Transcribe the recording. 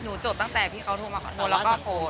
หนูจบตั้งแต่พี่เขาโทรมาขอโทษและก็โกรธ